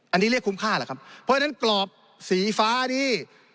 อันนี้เรียกคุ้มค่าแหละครับเพราะฉะนั้นกรอบสีฟ้านี่